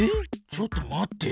ちょっと待って。